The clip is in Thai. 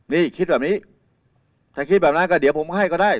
นี่คิดแบบนี้ถ้าคิดแบบนั้นก็เดี๋ยวผมให้ก็ได้